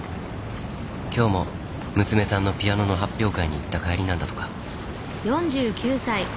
今日も娘さんのピアノの発表会に行った帰りなんだとか。